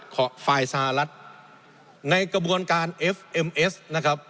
ฝ่ายสหรัฐในกระบวนการเอฟเอ็มเอสนะครับ